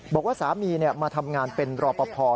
บอกว่าสามีมาทำงานเป็นรอปภ